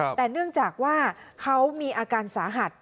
แต่เนื่องจากว่าเขามีอาการสาหัส